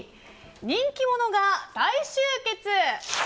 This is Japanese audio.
人気者が大集結。